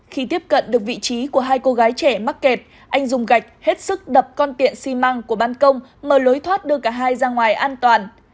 khi tiếp cận được vị trí của hai cô gái trẻ mắc kẹt anh dùng gạch hết sức đập con tiện xi măng của ban công mở lối thoát đưa cả hai ra ngoài an toàn